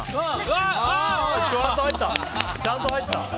ちゃんと入った！